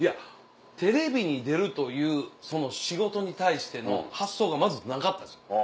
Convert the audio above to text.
テレビに出るというその仕事に対しての発想がまずなかったんです。